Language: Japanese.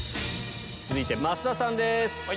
続いて増田さんです。